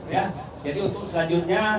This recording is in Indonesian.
ya jadi untuk selanjutnya